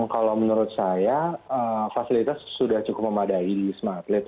kalau menurut saya fasilitas sudah cukup memadai di smartlit